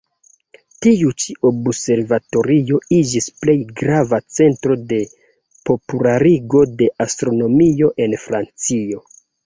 Tiu-ĉi observatorio iĝis plej grava centro de popularigo de astronomio en Francio.